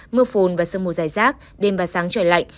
mưa phùn và sương mù dài rác đêm và sáng trời lạnh